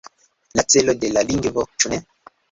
La celo de la lingvo, ĉu ne?